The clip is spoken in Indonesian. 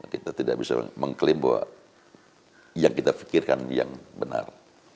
kita tidak bisa mengklaim bahwa yang kita pikirkan yang benar